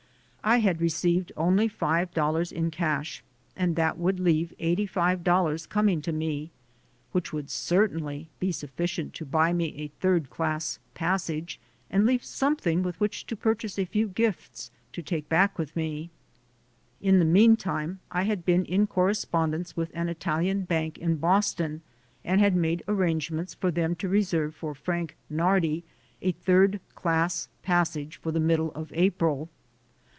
I had received only five dollars in cash, and that would leave $85 coming to me, which would certainly be sufficient to buy me a third class passage and leave something with which to purchase a few gifts to take back with me. In the meantime I had been in corre spondence with an Italian bank in Boston and had made arrangements for them to reserve for "Frank Nardi" a third class passage for the middle of April.